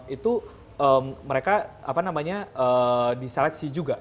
itu mereka apa namanya diseleksi juga